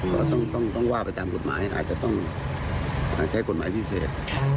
ก็ต้องว่าไปตามกฎหมายอาจจะต้องใช้กฎหมายพิเศษ